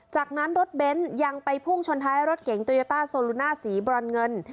จากนั้นรถเบนท์ยังไปพุ่งชนท้ายรถเก๋งโตโยต้าโซลูน่าสีบรอนเงิน